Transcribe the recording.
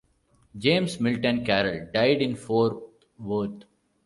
James Milton Carroll died in Fort Worth.